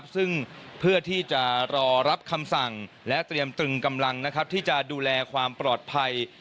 ซึ่งเพื่อที่จะรอรับคำสั่งและเตรียมตรึงกำลังที่จะดูแลความปลอดภัย